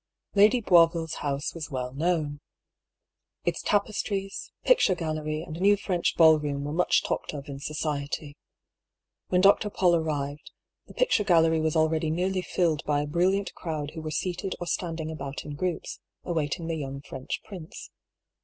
Lady Boisville's house was well known. Its tapes tries, picture gallery, and new French ball room were much talked of in society. When Dr. Paull arrived, the picture gallery was already nearly filled by a brilliant crowd who were seated or standing about in groups, awaiting the young French prince.